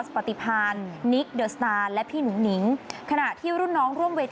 ปฐิปาร์หนิคเดินตาและพี่หนุนเงยนขณะที่รุ่นน้องร่วม